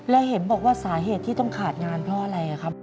และเห็นบอกว่าสาเหตุที่ต้องขาดงานเพราะอะไรครับ